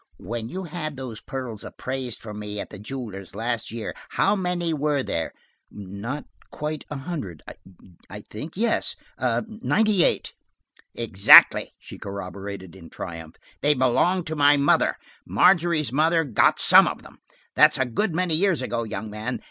"When you had those pearls appraised for me at the jewelers last year, how many were there?" "Not quite one hundred. I think–yes, ninety eight." "Exactly," she corroborated, in triumph. "They belonged to my mother. Margery's mother got some of them. That's a good many years ago, young man.